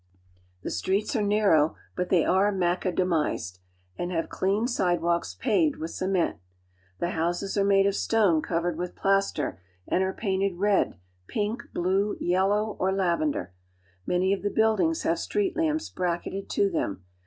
The streets are narrow, but they are macadamized, and have clean sidewalks paved with cement. The houses are made of stone covered with plaster and arc painted red. 1 4 pink, blue, yellow, or lavender. Many of the buildings have street lamps bracketed to them.